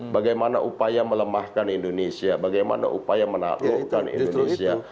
bagaimana upaya melemahkan indonesia bagaimana upaya menaklukkan indonesia